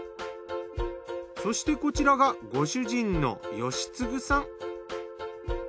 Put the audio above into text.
そしてこちらがご主人の彬次さん。